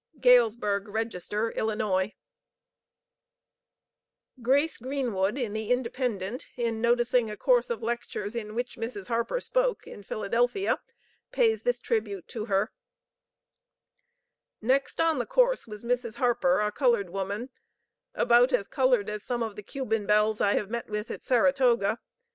Galesburgh Register, Ill. Grace Greenwood, in the Independent in noticing a Course of Lectures in which Mrs. Harper spoke (in Philadelphia) pays this tribute to her: "Next on the course was Mrs Harper, a colored woman; about as colored as some of the Cuban belles I have met with at Saratoga.